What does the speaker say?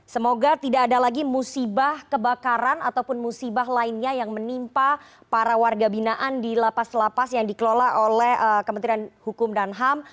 semoga tidak ada lagi musibah kebakaran ataupun musibah lainnya yang menimpa para warga binaan di lapas lapas yang dikelola oleh kementerian hukum dan ham